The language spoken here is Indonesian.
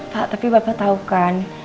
pak tapi bapak tahu kan